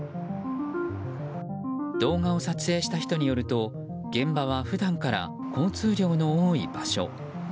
動画を撮影した人によると現場は普段から交通量の多い場所。